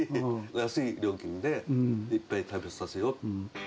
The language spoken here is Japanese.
安い料金でいっぱい食べさせようと。